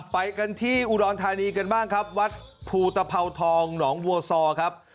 ไปกันที่อุดรธานีกันบ้างครับวัดภูตภาวทองหนองวัวซอครับ